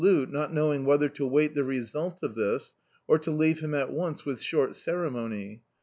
icdt, Google Gridling not knowing whether to wait the result of this, or to leave him at once with short ceremony.